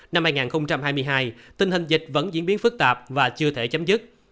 năm hai nghìn hai mươi hai tình hình dịch vẫn diễn biến phức tạp và chưa thể chấm dứt